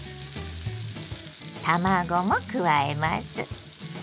卵も加えます。